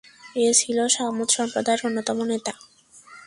এ ছিল ছামূদ সম্প্রদায়ের অন্যতম নেতা।